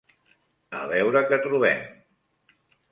A veure què trobem.